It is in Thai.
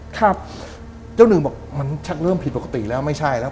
ครับเจ้าหนึ่งบอกมันชักเริ่มผิดปกติแล้วไม่ใช่แล้ว